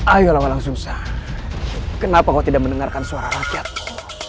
ayolah walang sungsang kenapa kau tidak mendengarkan suara rakyatmu